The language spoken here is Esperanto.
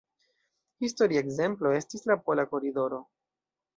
Historia ekzemplo estis la Pola koridoro,